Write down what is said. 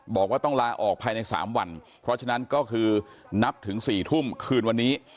บอกว่าต้องลาออกภายใน๓วันเพราะฉะนั้นก็คือนับถึง๔ทุ่มคืนวันนี้